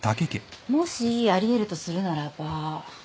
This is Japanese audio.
もしあり得るとするならばお金。